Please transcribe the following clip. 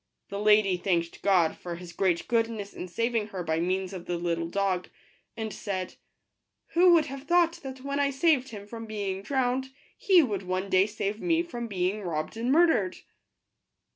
The lady thanked God for His great goodness in sav ing her by means of the little dog, and said, " Who would have thought that when I saved him from being drowned, he would one day save me from being robbed and mur dered